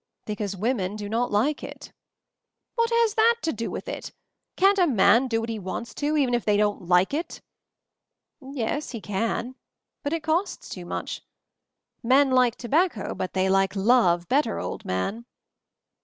"Because women do not like it." "What has that to do with it? Can't a man do what he wants to — even if they don't like it?" "Yes, he can; but it costs too much. Men like tobacco, but they like love better, old man."